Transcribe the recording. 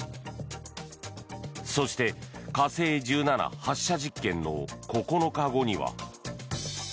そして、火星１７発射実験の９日後には。